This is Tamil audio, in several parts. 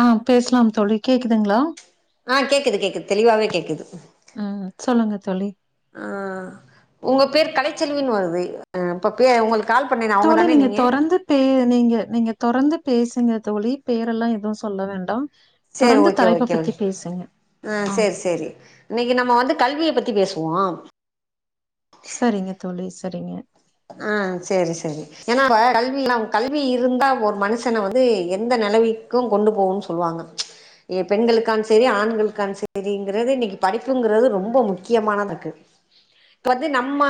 ஆஹ் பேசலாம் தோழி கேக்குதுங்களா ஆ கேக்குது கேக்குது தெளிவாவே கேக்குது சொலி ஆ உங்க பேர் கலைச்செல்வினு வருது இப்ப உங்களுக்கு கால் பண்ணேனே அவங்க தோழி தானே நீங்க தொறந்து பே நீங்க நீங்க தொறந்து பேசுங்க தோழி பேரெல்லாம் எதுவும் சொல்ல வேண்டாம் சரி தொறந்து ஓகே தலைப்ப ஓகே பத்தி பேசுங்க. ஆஹ் ஆ சரி சரி இன்னைக்கு நம்ம வந்து கல்வியை பத்தி பேசுவோம் சரிங்க தோழி சரிங்க ஆ செரி செரி ஏன்னா இப்ப கல்வி கல்வி இருந்தா ஒரு மனுஷன வந்து எந்த நெலவிக்கு கொண்டு போகும்னு சொல்வாங்க ஏ பெண்களுக்கானு செரி ஆண்களுக்கானு செரிங்றது இன்னிக்கி படிப்புங்கிறது ரொம்ப முக்கியமானதா இருக்கு இப்ப வந்து நம்ம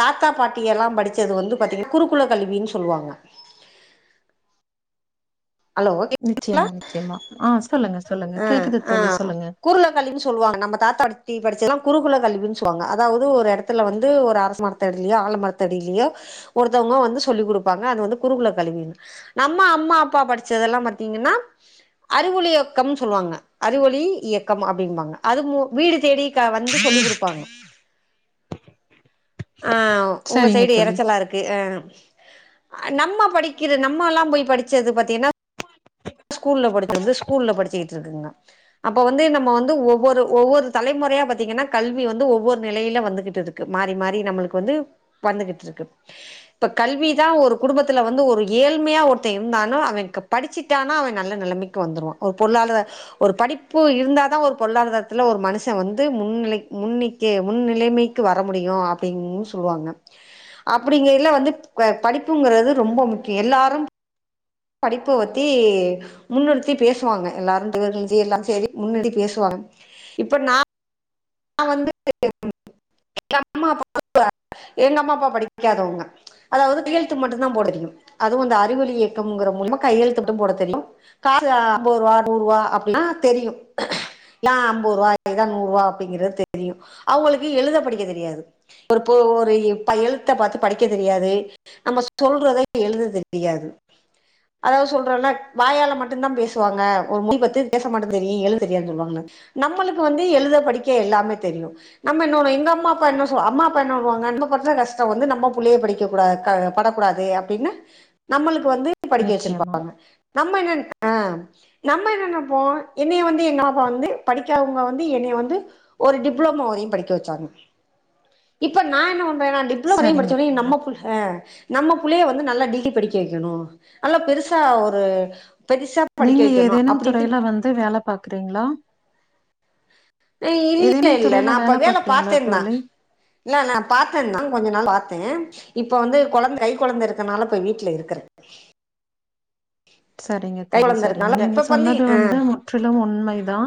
தாத்தா பாட்டி எல்லா படிச்சது வந்து பாத்தீங்க குருகுலகல்வினு சொல்வாங்க நிச்சயமா நிச்சயமா ஆ சொல்லுங்க சொல்லுங்க. அ கேக்குது ஆ தோழி சொல்லுங்க. குருலகல்வினு சொல்வாங்க நம்ம தாத்தா பா ட்டி படிச்சதெல்லா குருகுல கல்வின்னு சொல்வாங்க அதாவது ஒரு எடத்துல வந்து ஒரு அரசமரத்து அடிலியோ ஆலமரத்து அடிலியோ ஒருத்தவங்க வந்து சொல்லிக் குடுப்பாங்க அது வந்து குருகுலகல்வினு நம்ம அம்மா அப்பா படிச்சதெல்லா பாத்தீங்கனா அறிவொளி இயக் கம் சொல்வாங்க அறிவொளி இயக்கம் அப்டிம்பாங்க அது மு வீடு தேடி க வந்து சொல்லிக் குடுப்பாங்க ஆ உங்க சரிங்க சைடு தோழி. இரச்சலா இருக்கு ஆ நம்ம படிக்கிற நம்ம எல்லா போய் படிச்சது பாத்தீங்னா ஸ்கூல்ல படிச்சது ந்து ஸ்கூல்ல படிச்சுட்டு இருக்குங்க அப்ப வந்து நம்ம வந்து ஒவ்வொரு ஒவ்வொரு தலைமுறையா பாத்தீங்கனா கல்வி வந்து ஒவ்வொரு நிலையில வந்துகிட்டு இருக்கு மாறி மாறி நம்மளுக்கு வந்து வந்துகிட்டு இருக்கு இப்ப கல்விதா ஒரு குடும்பத்துல வந்து ஒரு ஏழ்மையா ஒருத்த இருந்தானு அவ க படிச்சி சிட்டானா அவ நல்ல நிலைமைக்கு வந்துருவா ஒரு பொருளாதர ஒரு படிப்பு இருந்ததா ஒரு பொருளாதாரத்துல ஒரு மனுஷ வந்து முன்னிலைக் முன்னிக்கே முன்னிலைமைக்கு வர முடியு அப்டினு சொல்வாங்க அப்டிங்கைல வந்து அ படிப்புங்கிறது ரொம்ப முக்கிய எல்லாரு படிப்பு வந் தி முன்னிறுத்தி பேசுவாங்க எல்லாரு திவகர்ல்ஜி எல்லாரு சேரி முன்னுறுத்தி பேசுவாங்க இப்ப நா நா வந்து எங்க அம்மா எங்க அம்மா அப்பா படிக்காதவங்க அதாவது கையெழுத்து மட்டு தா போட தெரியு அதுவு அந்த அறிவொளி இயக்கங்கிற மூலமா கையெழுத்து மட்டும் போட தெரியு காசு அம்பது ரூவா நூற்ரூவா அப்டினா தெரியு இ தா அம்பது ரூவா இதா நூறுரூவா அப்டிங்றது தெரியு அவங்களுக்கு எழுத படிக்க தெரியாது ஒரு போ ஒரு பை எழுத்த பாத்து படிக்க தெரியாது நம்ம சொல்றத எழுத தெரியாது அதாவது சொல்றோல்ல வாயால மட்டுந்தா பேசுவாங்க ஒரு மொழி பத்தி பேச மாட்டுந் தெரியு எழுத தெரியாதுனு சொல்வாங்ளா நம்மளுக்கு வந்து எழுத படிக்க கே எல்லாமே தெரியு நம்ம என்ன ஒரு எங்க அம்மா அப்பா என்ன சொ அம்மா அப்பா என்ன சொல்வாங்க நம்படுற கஷ்டோ வந்து நம்ம புள்ளைங்க படிக்ககூடாது க படக்கூடாது அப்படின்னு நம்மளுக் வந்து படிக்க நிச்சயமா. வெச்சிருப்பாங்க நம்ம என்ன ஆ நம்ம என்ன நினப்போ என்னைய வந்து எங்க அம்மா அப்பா வந்து படிக்காதவங்க வந்து என்னைய வந்து ஒரு டிப்ளோமோ வரையு படிக்க வச்சாங்க இப்ப நா என்ன ஒன் இப்போ நா டிப்ளமோ வரையு சரிங்க முடிச்ச [unintelligible] தோழி. நம்ம புள்ள நம்ம புள்ளைய வந்து நல்லா டிகிரி படிக்க வைக்கணு நல்லா பெருசா ஒரு பெருசா படிக்க நீங்க வைக்கணு ஏதேனும் துறையில அப்டின்ட்டு வந்து வேல பாக்குறீங்களா இல்ல ஏதேனும் இல்ல துறையில நா அப்ப வேல பாக்குறீங்களா பாத்திருந்த தோழி? இல்ல நா பாத்திருந்தோ கொஞ்சோ நாள் பாத்த இப்போ வந்து கொழந்த கை கொழந்த இருக்கனால இப்போ வீட்டுல இருக்கிற சரிங்க தோழி சரிங்க இருக்கனால நீங்க இப்ப சொன்னது ஆ வந்து முற்றிலும் உண்மைதா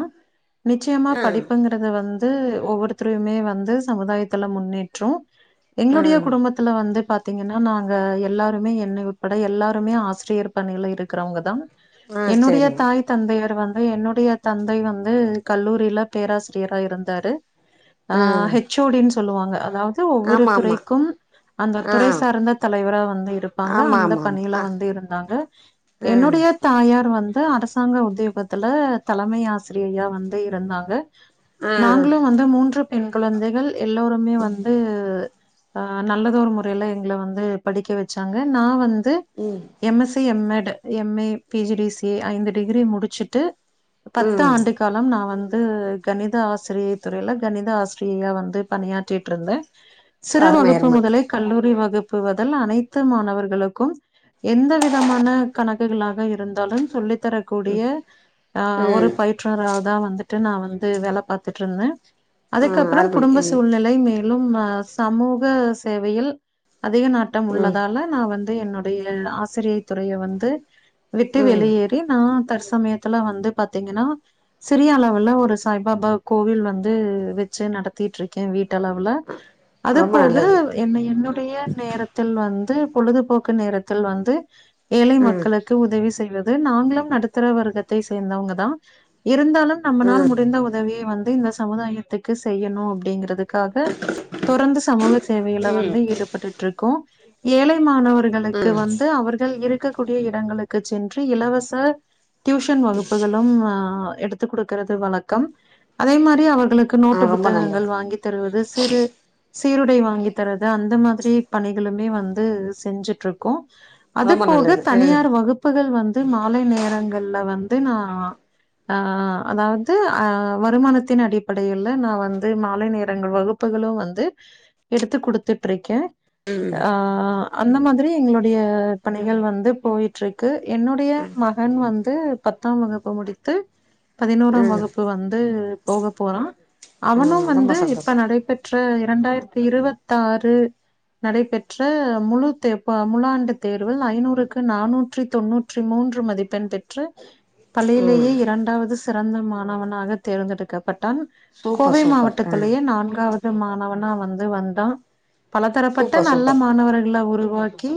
நிச்சயமா ஆ படிப்புங்கிறது வந் து ஒவ்வொருத்ரையுமே வந்து சமுதாயத்துல முன்னேற்று ஆ எங்களுடைய குடும்பத்துல வந்து பாத் பாத்தீங்கன்னா நாங்க எல்லாருமே என்னை உட்பட எல்லாருமே ஆசிரியர் பணியில இரு க்கறவங்கதா ஆ என்னுடைய சேரிங்க தாய் தந்தையர் வந் என்னுடைய தந்தை வந்து கல்லூரியில பேராசிரியரா இருந்தாரு அ ஆ ஹெச் ஓ டினு சொல்லுவாங்க அதாவது து ஒவ்வொரு ஆமா ஆமா துறைக்கும் அந்த ஆ துறை சார்ந்த தலைவரா வந்து இருப்பாங்க ஆமா அந்த ஆமா ஆமா பணியில ஆ வந்து இருந்தாங்க ஆ என்னுடைய தாய் யார் வந்து அரசாங்க உத்தியோகத்துல தலைமை ஆசிரியையா வந்து இருந்தாங்க ஆ நாங்களு வந்து மூன்று பெண் குழந்தைகள் எல்லோருமே வந்து அஹ் நல்லதோர் முறையில எங்களை வந்து படிக்க வச்சாங்க நா வந் து ம் M S C M Ed M A, P G D C A ஐந்து டிகிரி முடிச்சுட்டு பத்து ம் ஆண்டு காலம் நா வந் து கணித ஆசிரிய துறையில கணித ஆசிரியையா வந்து பணியாற்றிற்று இருந்த அருமை சிறுவகுப்பு அருமை முதலே கல்லூரி வகுப் புவதில் அனைத்து மாணவர்களுக்கும் எந்த விதமான கணக்குகளாக இருந்தாலும் சொல்லித் தரக்கூடிய அ ஒரு ம் பயிற்றாறதா வந்து ட்டு நா வந்து வேலை பாத்துட்டு இருந்தேன் ம் அதுக்கப்றம் அருமை குடும்ப ம் சூழ்நிலை மே லும் அ சமூக சேவையில் அதிக நாட்டம் ம் உள்ளதால நான் வந் து என்னுடைய ஆசிரிய துறைய வந் து விட்டு ம் வெளியேறி நா தர்ஷ் சமயத்துல வந்து பாத்தீங்கன்னா சிறிய அளவுல ஒரு சாய்பாபா கோவில் வந்து வச்சு நடத்திட்டு இருக்கேன் வீட் ட்டுளவுல அது ரொம்ப போக நல்லது என்னை என்னுடைய நேரத்தில் வந்து வந்து பொழுதுபோக்கு நேரத்தில் வந்து ஏழை மக் ம் களுக்கு உதவி செய்வ து நாங்களும் நடுத்தர வர்கத்தை சேர்ந்தவங்கதா இருந்தாலு நம்மனால் ம் முடிந்த உதவியை வந் து இந்த சமுதாயத்துக்கு செய்யணு அப்டிங்கறது க்காக தொடர்ந்து சமூக சேவையில வந்து ஈடுபட்டுட்டு இருக்கோ ஏழை மாணவர்களுக்கு ம் வந்து அவர்கள் இருக் கக்கூடிய இடங்களுக்கு சென்று இலவச டியூஷன் வகுப்புகளும் ஆ எடுத் துக் கொடுக்கிறது வழக்கம் அதே மாரி அவர் களுக்கு நோட்டு ஆ ரொம்ப புத்தகங்கள் நல்லது வாங்கி தருவது சிறு சீருடை வாங்கி தரது அந்த மாதிரி பணிகளுமே வந்து செஞ்சுட்டுருக்கோம் அது ரொம்ப போக நல்லது ம் தனியார் வகுப்பு வகுப்புகள் வந்து மாலை நேரங்கள்ல வந்து நான் ஆஹ் அதாவது அஹ் வருமானத்தின் அடிப்படையில நான் வந்து மாலை நேரங்கள் வகுப்புகளும் வந்து எடுத்து கொடுத்துட்டு இருக்கேன் அ ம் ஆஹ் அந்த மாதிரி எங்களுடைய பணிகள் வந்து போயிட்டு இருக்கு என்னுடைய மகன் வந்து பத்தாம் வகுப்பு முடித்து பதினோராம் ம் வகுப்பு வந் து போக போறான் ம் அவனும் ரொம்ப வந்து இப்ப சந்தோஷம் நடைபெற்ற இரண்டாயிரத்தி இருவத்து ஆறு நடைபெற்ற முழு தேர் அ முலாண்டு தேர்வில் ஐநூறு க்கு நானூற்றி தொன்னூற்றி மூன்று மதிப்பெண் பெற்று ம் பள்ளியிலேயே இரண்டாவது சிறந்த மாணவனாக தேர்ந்தெடுக்கப்பட்டான் சூப்பர் கோவை சூப்பர் ம் மாவட்டத்துலேயே நான்காவது மாணவனா வந்து வந்தா பலதரப்பட்ட சூப்பர் நல்ல சூப்பர் மாணவர்கள உருவாக் கி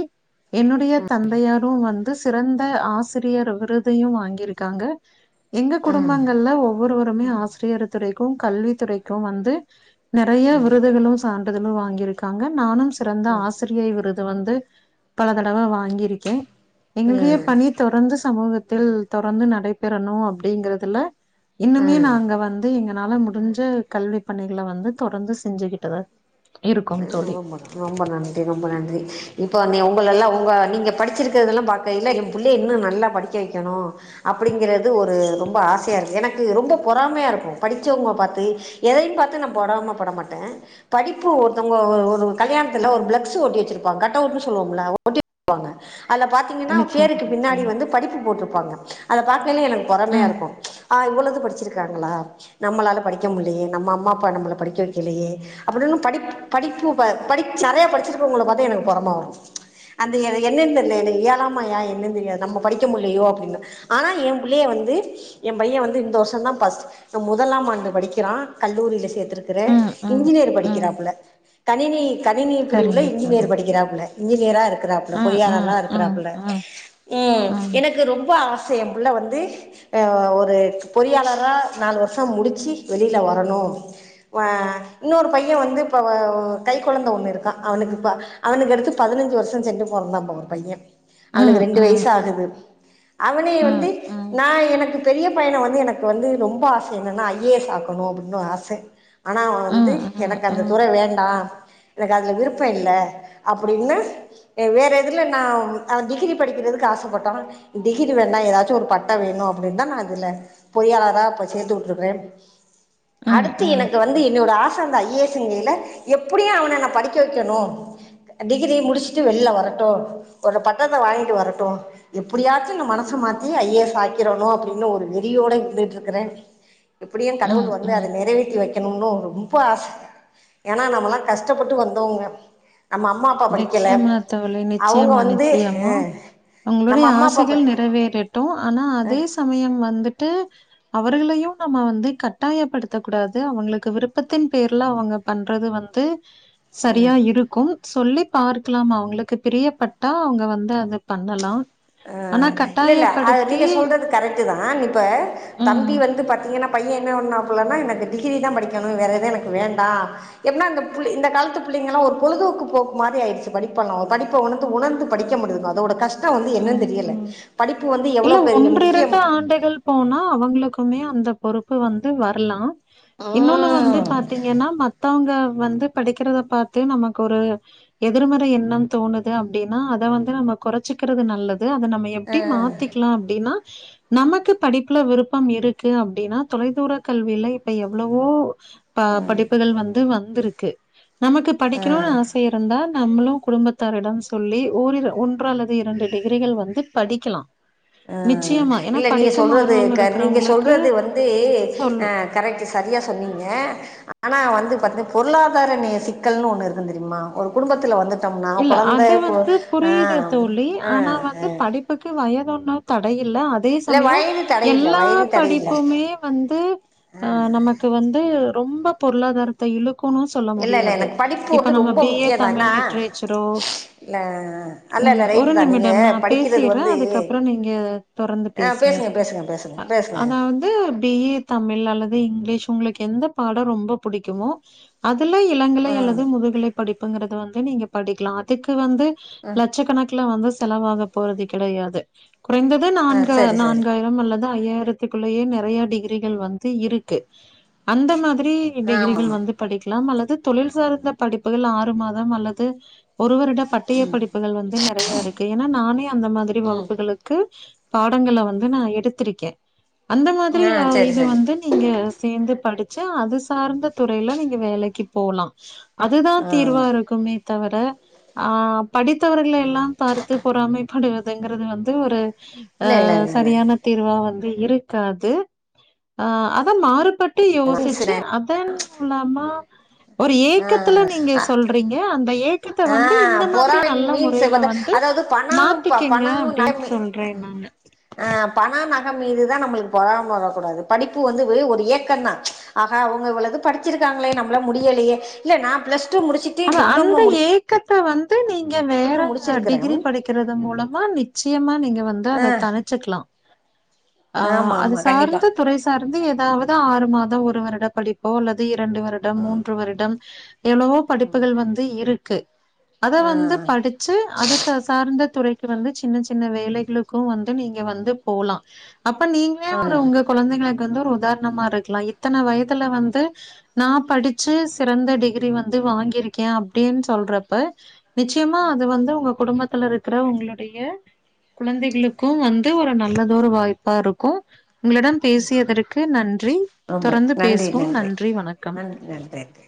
என்னுடைய தந்தையாரும் வந்து சிறந்த ஆசிரியர் விருதையும் வாங்கியிருக்காங்க எங்க ம் குடும்பங்கள்ல ஒவ்வொருவருமே ஆசிரியர் துறைக்கும் கல்வி துறைக்கும் வந்து நெறைய ம் விருதுகளும் சான்றிதலும் வாங்கியிருக்காங்க நானும் சிறந்த ஆசிரியர் விருது வந்து பல தடவ வாங்கி ரிக்கே எங்களுடைய ம் பணி தொடர்ந்து சமூகத்தில் தொடர்ந்து நடைபெறணு அப்படிங்கறதுல இன்னுமே ம் நாங்க வந்து எங்கனால முடிஞ்ச கல்வி பணிகள வந்து தொடர்ந்து செஞ்சுகிட்டுதான் இருக்கோம் தோழி [inaudible] ரொம்ப நன்றி ரொம்ப நன்றி இப்போ அந்தே உங்களெல்லா உங்க நீங்கள் படிச்சிருக்கதெல்லா பாக்கயில்ல என் புள்ளைய இன்னு நல்லா படிக்க வெக்கணு அப்படிங்கிறது ஒரு ரொம்ப ஆசையா இருக்கு எனக்கு ரொம்ப பொறாமையாருக்கு படிச்சவங்க பாத்து எதையு பாத்து நா பொறாம பட மாட்டே படிப்பு ஒருத்தவங்க ஒ ஒரு கல்யாணத்துல ஒரு ஃபிளக்ஸு ஒட்டி வெச்சிருப்பாங்க கட் அவுடன்னு சொல்லுவோம்ல ஓட்டி [inaudible] வாங்க அதுல் பாத்தீங்கன்னா நிச்சயமா பேருக்கு பின்னாடி நிச்சயமா வந்து படிப்பு போட்டு ப்பாங்க அத பார்த் வெளியே எனக்கு ம் பொறாமையாருக்கு ஆ இவ்ளோது படிச்சிருக்காங்களா நம்மளால்ல படிக்க முல்லையே நம்ம அம்மா அப்பா நம்பள படிக்க வெக்கலையே அப்புடின்னு படிப் படிப்பு ப-படிச் நறைய படிச்சிருக்கறவங்கள பாத்து எனக்கு பொறமா வரு அந்த என்ன என்னன்னு தெரியல எனக்கு இயாலாமையா என்னதுன்னு தெரியாது நம்ம படிக்க முல்லையோ அப்டின்னு ஆனா என் புள்ளைய வந்து என் பையன் வந்து இந்த வருஷோ தா ஃபஸ்ட் அ முதலாம் ஆண்டு படிக்கிறா கல்லூரியில சேர்த் துருக்குறே ம் ம் இன்ஜினியர் ம் படிக்கிறப்புல கணினி கணினி பிரிவுல சரிங்க தோழி இன்ஜினியர் படிக்கிறாப்புல இன்ஜினியரா இருக் ருக்கறாப்ல ம் ம் பொறியாளறா ம் இருக்கறாப்புல ம் உம் ம் எனக்கு ரொம்ப ஆ ச என் புள்ள வந்து அ ஒரு பொறியாளரா நாலு வருஷோ முடிச்சு வெளியில வரணு அ இன்னொரு பையன் வந்து இப்போ வ கை கொழந்த ஒண்ணு இருக்கா அவனுக்கு இப்ப அவனுக்கு அடுத்து பதினஞ்சு வருஷோ சென்று போறந்தா ஒரு பையே ம் அவனுக்கு ம் ரெண்டு ம் வயசாகுது அவனை ம் வந்து ம் ம் நா எனக்கு பெரிய பையன வந்து எனக்கு வந்து ரொம்ப ஆச என்னன்னா ஐ ஏ எஸ் சாக்கணு அப்புடின்னு ஆச ஆனா அவன் ம் வந்து எனக்கு அந்த துற ம் வேண்டா எனக்கு அதுல விருப்பயில்ல அப்புடின்னு வேற எதுல நா டிகிரி படிக்கிறதுக்கு ஆசப்பட்டா டிகிரி வேண்டா ஏதாச்சு ஒரு பட்டோ வேணு அப்டின்னு தா நா இதுல பொறியாளரா இப்ப சேர்த்து உட்ருக்குறே அடுத்து ம் எனக்கு வந்து என்னோட ஆசா அந்த ஐ ஏ [inaudible] கில எப் எப்புடியு அவன படிக்க வெக்கணு டிகிரி முடிஷ்ட்டு வெளிள வரட்டு ஒரு பட்டத்த வாங்கிட்டு வரட்டு எப்படியாச்சு நா மனசு மாத்தி ஐ ஏ எஸ் ஆக்கிரனு அப்டின்னு ஒரு வெறியோட இருந்துட்டுருக்குறே எப்டியு கடவுள் ம் வந்து அத ம் நெறைவேத்தி வெக்கணும்னு ரொம் ப்பாஸ் ஏனா நம்மளா கஷ்டப்பட்டு வந்தோவோங்க நிச்சயமா தோழி அவங்க நிச்சயமா வந்து அ நிச்சயமா நம்ம உங்களுடைய அம்மா ஆசைகள் அப்பா நிறைவேறட்டு ஆனா அதே சமயம் வந்துட்டு அவ் அவர்களையு நம்ம வந்து கட்டாயப்படுத்தக் கூடாது அவுங்களுக்கு விருப்பத்தின் பேயர்ல அவுங்க பண்றது வந்து சரியா இருக்கு சொல்லிப் பார்க்கலாம் அவுங்களுக்குப் பிரியப்பட்டா அவங்க வந்து அது பண்ணலா ஆனா அஹ் இல்லல்ல அத் கட்டாயப்படுத்தி நீங்க சொல்றது கரெக்ட்டு தா இப்ப ம் தம்பி வந்து பாத்தீங்ன்னா பைய என்னா பண்ணாப்புலனா நா இந்த டகிரி தா படிக்கணு வேற எது எனக்கு வேண்டா என்ன இந்த புள் இந்த காலத்து புள்ளைங்கெல்லா ஒரு பொழுதுக்கு போக்கு மாரி அகிடுச்சி படிப்பல்லா படிப்போ வந்து ஒணர்ந்து படிக்க மட்டுதுங்க அதோட கஷ்டோ வந் ம் ம் இல்ல பெரிய முக்கியம் ஒன்டிரண்டு ஆண்டுகள் போனா அவங்களுக் க்குமே அந்த பொறுப்பு வந்து வர்லா இன்னொன்னு வந்து ம் பாத்தீங்கன்னா மத் மத்தவங்க வந்து படிக்கிறத பாத்து நமக்கு ஒரு எதிர்மறை எண்ணம் தோணுது அப்டின்னா அதை வந்து நம்ம கொறைச்சிக்கிறது நல்லது அத நம்ம எப்டி மாத் படிக்கலா அப்டின்னா நமக்கு படிப்புல விருப் விருப்பம் இருக்கு அப்டின்னா தொலைத் தூர கல்விலை இப்ப எவ்வளோ ப்ப படிப்புகள் வந்து வந் வந்துருக்கு நமக்குப் படிக்கணுனு ஆசை இருந்தால் நம்மளு குடும்பத்தாரிட சொல்லி ஒரிரு ஒன்று அல்லது இரண்டு டிகிரிகள் வந்து படிக்கலா அஹ் இல்ல நீங்க சொல்றது ஆர்வம் க நீங்க இருக்கிறவங்களுக்கு சொல்றது வந்து சொல் அஹ் கரெக்ட் சரியா சொன்னீங்க ஆனா வந் வந்து பத்து பொருளாதார நே சிக்கல்னு ஒன்னு இருக்குனு தெரியுமா ஒரு குடும்பத்தில வந்து இல்ல அது வந்து புரியுது தோழி ஆ ஆனா ஆ வந்து படிப்புக்கு வயதொன் நோ தடைய இல்லா அதே இல்ல சமய வயது தடையில்ல எல்லா வயது தடையில்ல படிப்புமே வந்து அஹ் நமக்கு வந்து ரொம்பப் பொருளாதாரத்தை இழு க்குன்னு சொல்ல இல்ல இல்ல இல்ல முடியாது எனக்கு படிப்பு இப்ப வந்து நம்ம ரொம்ப பி ஏ முக்கியம் தமிழ் தானா லிட் லிட்ரேச்சரோ இல்ல அல்ல ம் இல்ல ஒரு ரைட்டு தான் நீங்க நிமிடம் நா படிக்கிறது பேசிர்றே வந்து அதுக்கப்ற நீங்க தொடர்ந்து ஆ பேசுங்க பேசுங்க பேசுங்க பேசுங்க ஆனா வந்து பி ஏ தமிழ் அல்லது இங்கிலீஷ் உங்களுக்கு எந்த பாடோ ரொம்ப புடிக்குமோ அது ல இளங்கலை ம் அல்லது முதுகலை படிப்பு பங்கறதன் இனி நீங்க படிக்கலா அதுக்கு வந்து ம் லட்சக்கணக் ல வந்து செலவாக போறது கெடையாது குறைந்தது ஆ நான்கு சரி சரி நான்காயிரம் அல்லத் து ஐயாயிரத்துக்குள்ளேயே நெறய டிகிரிகள் வந்து இருக்கு அந்த மாதிரி டிகிரிகள் ஆமாம்மா வந்து படிக்லாம் அல்ல து தொழில் சார்ந்த படிப்புகள் ஆறு மாதம் அல்ல து ஒருவரிட பட்டய படிப்புகள் வந்து நெறைய இருக்கு ஏன்னா நானே அந்த மாதிரி ம் வகுப்புகளுக்கு பாடங்கள வந்து நா எடுத்திருக்கே அந்த ஆ மாதிரி வா செரி இது செரி வந்து நீங்க சேர்ந்து படி ச்சு அது சார்ந்த துறைல நீங்க வேலைக்கு போலா அதுதா ஆ தீர்வா இருக்குமே தவர ஆஹ் படித்தவர்களையேல்லா பார்த்து பொறாமைப்படுவதுங்குறது வந்து ஒரு இல்ல இல்ல அஹ் இல்ல சரியான தீர்வா வந் இருக்காது ஆ அதா மாறுபட் டு யோசிச்சு இல்ல அதன் போலாமா ஒரு ஏக்கத்துல நீங்க சொல்றீங்க அந் ஆஹ் பொறாவின் மீம்ஸ் அ முறையில பத்த வந்து அதாவது பண்ணா ப மாத்திக்கங்க பணா நக அப்படின்னு மீ சொல்றேன் நான். அஹ் பண ந க மீது தா நம்மளுக்கு பொறாமவரக்கூடாது படிப்பு வந்து ஒரு ஏக்கந்தா ஆஹா இவங்க இவளோது படிச்சிருக்காங்களே நம்மலா முடியலையே இல்ல நா பிளஸ் டூ முடுச்சுட்டு டிப்ளோமோ முடு கத்த வந் து நீங்க வேற டிகிரி படிக்கிறது மூலமா வித் ச்சியமா நீங் க வந்து ஆ அத தனிச்சுக்லா ஆஹ் ஆமா அது ஆமா கண்டிப்பா சார்ந்து துறை சார்ந்து ஏதாவது ஆறு மாதோ ஒ வருட படிப்போ அல்லத் து இரண்டு வருடம் மூன்று வருடம் எவ்ளவோ படிப் புகள் வந்து இருக்கு அத ஆ வந்து படிச்சு அது த சார்ந்த துறை வந்து சின்ன சின்ன வேலைகளுக்கு வந்து நீங்க வந்து போலா அப்ப நீங்களே ஒரு உங்க குழந்தைகள வந்து ஒரு உதாரணமா இருக்கலா இத்தன வயதுல வந்து நா படிச்சு சிறந்த டிகிரி வந்து வாங்கிருக் க்கே அப்படின்னு சொல்றப்ப நிச்சயமா அது வந்து உங்க குடும்ப த்துல இருக்கிற உங்களுடைய குழந்தைகளுக்கு வந்து ஒரு நல்லதொரு வாய்ப்பா இருக்கு உங்களிடம் பேசியதற்கு நன்றி ரொம்ப தொடர்ந்து நன்றி பேசுவோம் நன்றி வணக்கம் நன்றி நன்றி